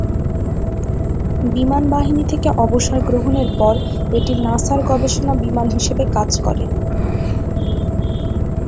বিমানবাহিনী থেকে অবসর গ্রহণের পর এটি নাসার গবেষণা বিমান হিসেবে কাজ করে।